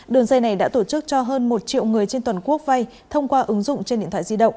đường dây này đã tổ chức cho hơn một triệu người trên toàn quốc vay thông qua ứng dụng trên điện thoại di động